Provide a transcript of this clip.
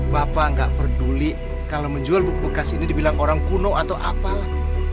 bapak nggak peduli kalau menjual buku bekas ini dibilang orang kuno atau apalah